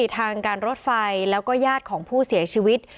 ทางการรถไฟแล้วก็ญาติของผู้เสียชีวิต